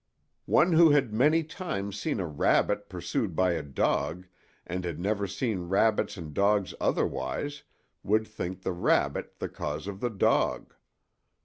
One who had many times seen a rabbit pursued by a dog, and had never seen rabbits and dogs otherwise, would think the rabbit the cause of the dog.